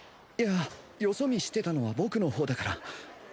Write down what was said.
いやよそ見してたのは僕の方だから